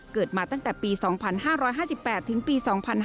เกิดมาตั้งแต่ปี๒๕๕๘ถึงปี๒๕๕๙